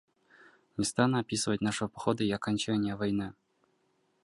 Не стану описывать нашего похода и окончания войны.